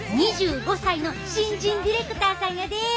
２５歳の新人ディレクターさんやで！